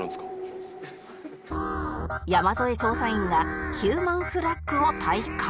山添調査員がヒューマンフラッグを体感